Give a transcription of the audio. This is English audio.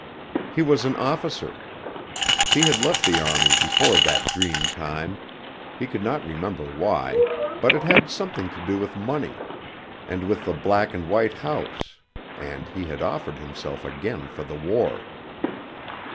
He was an officer. (He had left the army before that dream time, he could not remember why, but it had something to do with money and with the black and white house: and he had offered himself again for the war.)